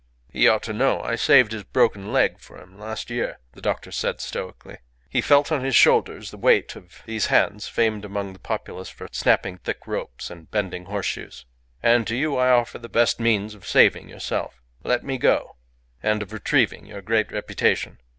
"He ought to know. I saved his broken leg for him last year," the doctor said, stoically. He felt on his shoulders the weight of these hands famed amongst the populace for snapping thick ropes and bending horseshoes. "And to you I offer the best means of saving yourself let me go and of retrieving your great reputation.